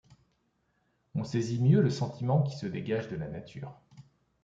On saisit mieux le sentiment qui se dégage de la nature !